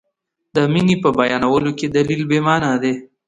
د مینې په بیانولو کې دلیل بې معنا دی.